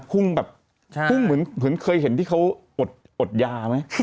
พุ่งแบบพุ่งเหมือนเคยเห็นที่เขาอดยาไหม